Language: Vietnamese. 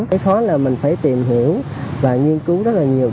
cái khó là mình phải tìm hiểu và nghiên cứu rất là nhiều